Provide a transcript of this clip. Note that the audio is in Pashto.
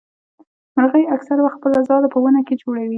مرغۍ اکثره وخت خپل ځاله په ونه کي جوړوي.